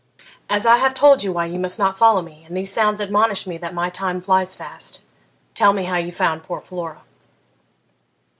'As I have told you why you must not follow me, and these sounds admonish me that my time flies fast, tell me how you found poor Flora.'